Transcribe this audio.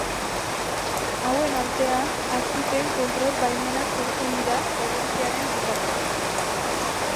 Hauen artean atzipen kontrol baimenak sortzen dira herentziaren bitartez.